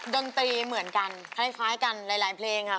ดนตรีเหมือนกันคล้ายกันหลายเพลงค่ะ